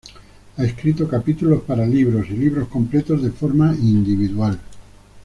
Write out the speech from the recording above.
Ha escrito capítulos para libros y libros completos de forma individual.